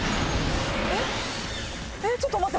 ちょっと待って！